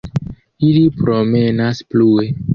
Ili promenas plue.